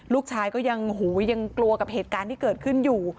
ลูกชายก็ยังหูยังกลัวกับเหตุการณ์ที่เกิดขึ้นอยู่